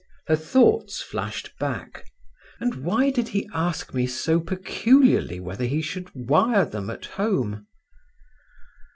Her thoughts flashed back. "And why did he ask me so peculiarly whether he should wire them at home?"